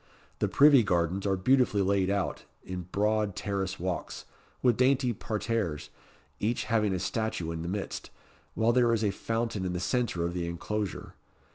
The Privy Gardens are beautifully laid out in broad terrace walks, with dainty parterres, each having a statue in the midst, while there is a fountain in the centre of the inclosure.